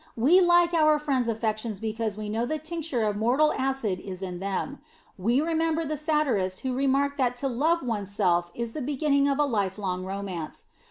We like our friends' affections because we know the tincture of mortal acid is in them. We remember the satirist who remarked that to love one's self is the beginning of a lifelong romance.